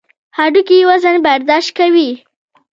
هډوکي وزن برداشت کوي.